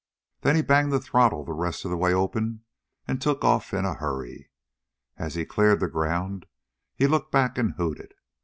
Then he banged the throttle the rest of the way open and took off in a hurry. As he cleared the ground, he looked back and hooted.